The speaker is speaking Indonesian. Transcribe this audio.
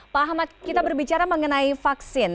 pak ahmad kita berbicara mengenai vaksin